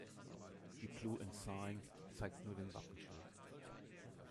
Die Blue Ensign zeigt nur den Wappenschild.